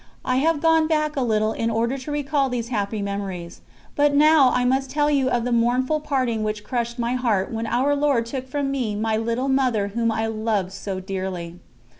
I have gone back a little in order to recall these happy memories; but now I must tell you of the mournful parting which crushed my heart when Our Lord took from me my little Mother whom I loved so dearly.